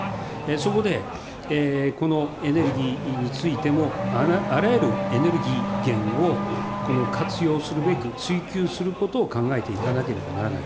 そこで、このエネルギーについても、あらゆるエネルギー源を活用するべく、追求することを考えていかなければならない。